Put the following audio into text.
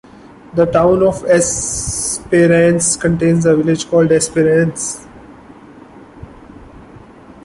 The Town of Esperance contains a village called Esperance.